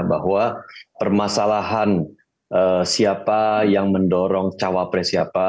bahwa permasalahan siapa yang mendorong cawapres siapa